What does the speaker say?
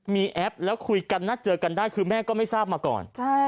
มีแอปแล้วคุยกันนัดเจอกันได้คือแม่ก็ไม่ทราบมาก่อน